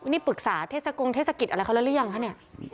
นี่ปรึกษาเทศกงเทศกิจอะไรเขาแล้วหรือยังคะเนี่ย